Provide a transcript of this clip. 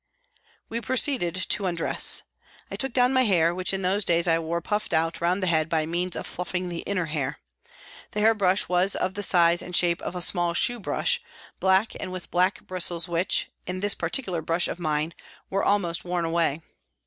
We proceeded to undress. I took down my hair, which in those days I wore puffed out round the head by means of fluffing the inner hair. The hair brush was of the size and shape of a small shoe brush, black and with black bristles which, in this particular brush of mine, were almost worn away.